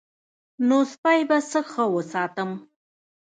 نو سپی به څه ښه وساتم.